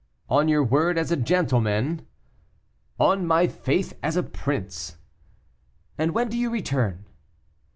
"On your word as a gentleman?" "On my faith as a prince." "And when do you return?"